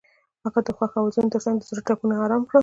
هغې د خوښ اوازونو ترڅنګ د زړونو ټپونه آرام کړل.